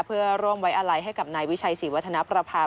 เพื่อร่วมไว้อาลัยให้กับนายวิชัยศรีวัฒนประพา